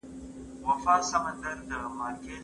چي نصیب دي درته غل وي زه به څنګه غزل لیکم